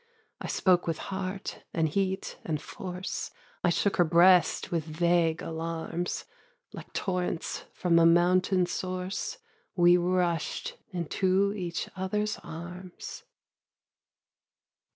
I spoke with heart, and heat and force, I shook her breast with vague alarms Like torrents from a mountain source We rush'd into each other's arms.